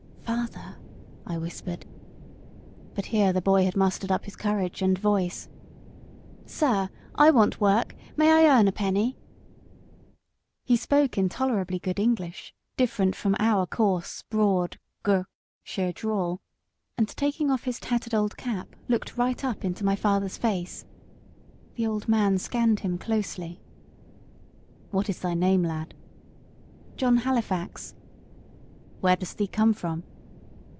"Father!" I whispered. But here the boy had mustered up his courage and voice. "Sir, I want work; may I earn a penny?" He spoke in tolerably good English different from our coarse, broad, G shire drawl; and taking off his tattered old cap, looked right up into my father's face, The old man scanned him closely. "What is thy name, lad?" "John Halifax." "Where dost thee come from?"